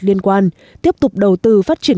liên quan tiếp tục đầu tư phát triển